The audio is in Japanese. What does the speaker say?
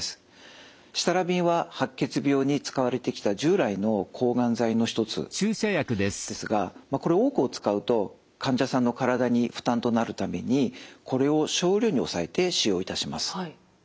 シタラビンは白血病に使われてきた従来の抗がん剤の一つですがこれ多くを使うと患者さんの体に負担となるためにこれを少量に抑えて使用いたします。